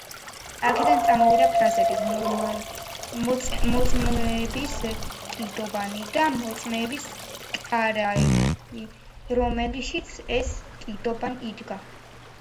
აქედან წამოვიდა ფრაზები „მოწმობის კიდობანი“ და „მოწმობის კარავი“, რომელშიც ეს კიდობანი იდგა.